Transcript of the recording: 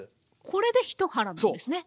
これで１腹なんですね。